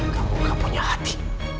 kamu gak punya hati